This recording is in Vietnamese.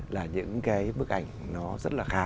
là những bức ảnh nó rất là khá